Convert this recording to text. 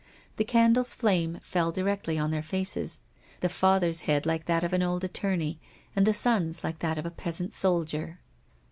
The candle's flame fell directly on their faces, the father's head like that of an old attorney, and the son's like that of a peasant soldier.